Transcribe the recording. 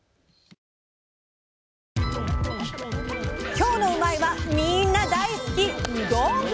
今日の「うまいッ！」はみんな大好きうどん！